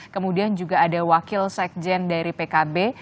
kemudian juga ada wakil sekjen dari pkb